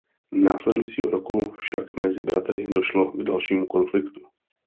Následujícího roku však mezi bratry došlo k dalšímu konfliktu.